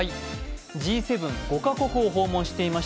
Ｇ７・５か国を訪問していました